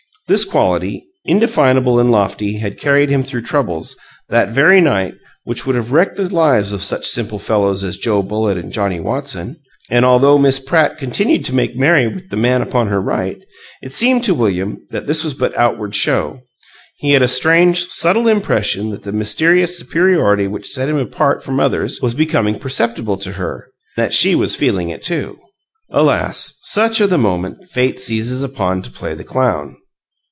This quality, indefinable and lofty, had carried him through troubles, that very night, which would have wrecked the lives of such simple fellows as Joe Bullitt and Johnnie Watson. And although Miss Pratt continued to make merry with the Man upon her right, it seemed to William that this was but outward show. He had a strange, subtle impression that the mysterious superiority which set him apart from others was becoming perceptible to her that she was feeling it, too. Alas! Such are the moments Fate seizes upon to play the clown!